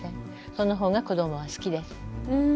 そのほうが子どもは好きです。